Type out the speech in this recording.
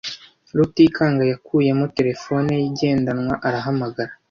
Rutikanga yakuyemo terefone ye igendanwa arahamagara.